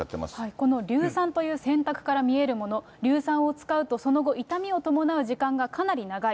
この硫酸という選択から見えるもの、硫酸を使うとその後痛みを伴う時間がかなり長い。